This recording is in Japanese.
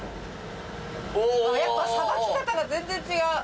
やっぱさばき方が全然違う。